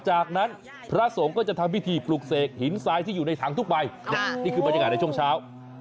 จากนั้นพระสงฆ์ก็จะทำพิธีปลุกเสกหินทรายที่อยู่ในถังทุกใบนี่คือบรรยากาศในช่วงเช้า